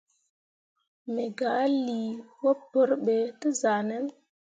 Me gah lii wapǝǝre ɓe te zah nen.